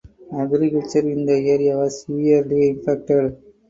Agriculture in the area was severely impacted.